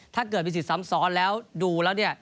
ถ้าเกิดมีสิทธิ์ซ้ำซ้อนแล้วดูแล้วเนี่ย